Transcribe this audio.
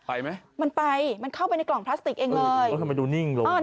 ไปไหมมันไปมันเข้าไปในกล่องพลาสติกเองเลยเออทำไมดูนิ่งลง